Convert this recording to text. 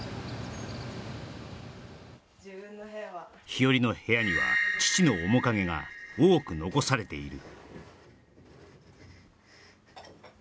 ひよりの部屋には父の面影が多く残されている